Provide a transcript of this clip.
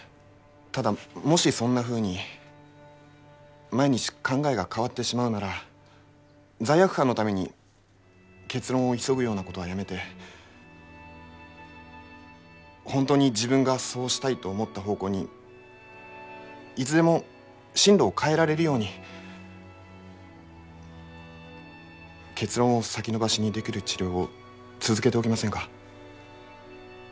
ただもしそんなふうに毎日考えが変わってしまうなら罪悪感のために結論を急ぐようなことはやめて本当に自分がそうしたいと思った方向にいつでも針路を変えられるように結論を先延ばしにできる治療を続けておきませんか？